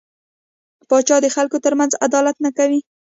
پاچا د خلکو ترمنځ عدالت نه کوي .